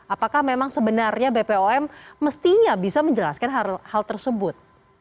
apakah memang sebenarnya bpom mestinya bisa menjelaskan hal tersebut